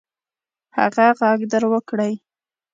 هغه ږغ در وکړئ.